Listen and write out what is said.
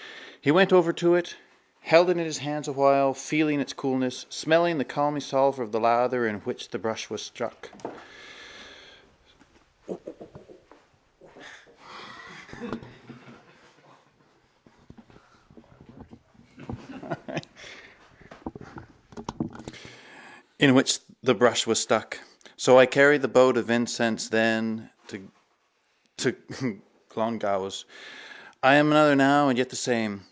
He went over to it, held it in his hands awhile, feeling its coolness, smelling the clammy slaver of the lather in which the brush was stuck. So I carried the boat of incense then at Clongowes. I am another now and yet the same.